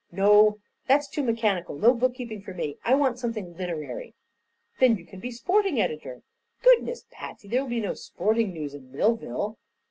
"No; that's too mechanical; no bookkeeping for me. I want something literary." "Then you can be sporting editor." "Goodness, Patsy! There will be no sporting news in Millville."